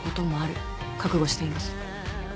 覚悟しています。